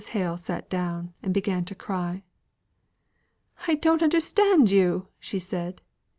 Hale sat down and began to cry. "I don't understand you," she said.